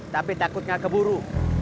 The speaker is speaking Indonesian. tapi takut gak keburu